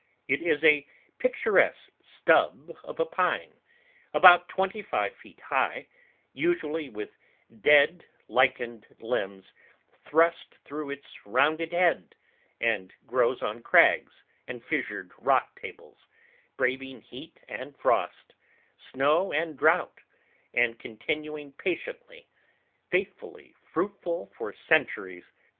It is a picturesque stub of a pine about twenty five feet high, usually with dead, lichened limbs thrust through its rounded head, and grows on crags and fissured rock tables, braving heat and frost, snow and drought, and continuing patiently, faithfully fruitful for centuries.